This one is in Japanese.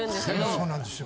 そうなんですよ。